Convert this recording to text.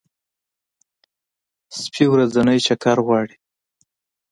سپي ورځنی چکر غواړي.